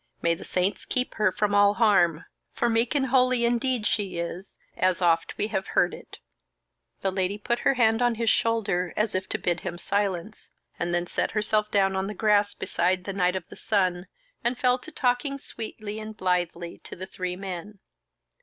May the saints keep her from all harm; for meek and holy indeed she is, as oft we have heard it." The Lady put her hand on his shoulder, as if to bid him silence, and then set herself down on the grass beside the Knight of the Sun, and fell to talking sweetly and blithely to the three men.